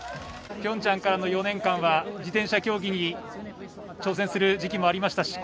ピョンチャンからの４年間は自転車競技に挑戦する時期もありました。